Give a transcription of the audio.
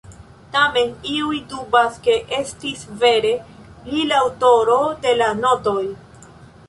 Tamen iuj dubas, ke estis vere li la aŭtoro de la notoj.